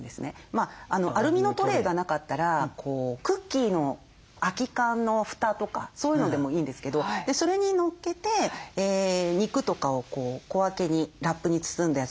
アルミのトレーがなかったらクッキーの空き缶の蓋とかそういうのでもいいんですけどそれに載っけて肉とかを小分けにラップに包んだやつとかを載せて冷凍させるんですね。